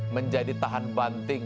menjadi tahan banting